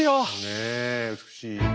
ねえ美しい。